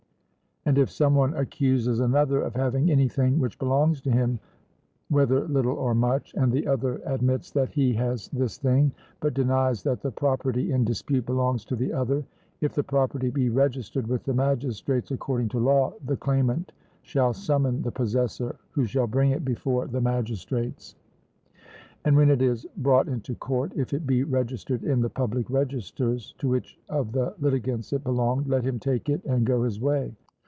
And if some one accuses another of having anything which belongs to him, whether little or much, and the other admits that he has this thing, but denies that the property in dispute belongs to the other, if the property be registered with the magistrates according to law, the claimant shall summon the possessor, who shall bring it before the magistrates; and when it is brought into court, if it be registered in the public registers, to which of the litigants it belonged, let him take it and go his way.